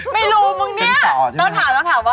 ไม่รู้มึงเนี่ย